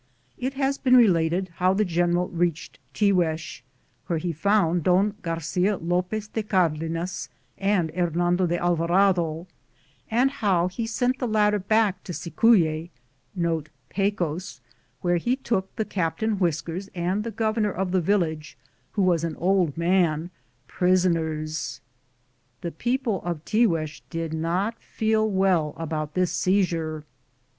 It has been related how the general reached Tiguex, where he found Don Garcia Lopez de Cardenas and Hernando de Alva rado, and how he sent the latter back to Cicuye, where he took the Captain Whiskers and the governor of the village, who was an old man, prisoners. The people of Tiguex did not feel well about this seizure.